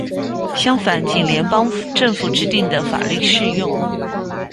相反，仅联邦政府制定的法律适用。